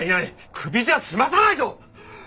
クビじゃ済まさないぞ！